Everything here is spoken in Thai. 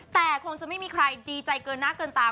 แต่คงจะไม่มีใครดีใจเกินหน้าเกินตา